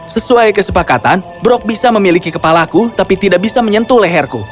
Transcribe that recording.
sesuai kesepakatan brok bisa memiliki kepalaku tapi tidak bisa menyentuh leherku